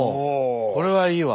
これはいいわ。